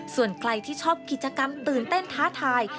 ส่วนใครที่ชอบกิจกรรมตื่นเต้นท้าทาย